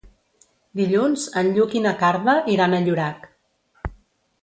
Dilluns en Lluc i na Carla iran a Llorac.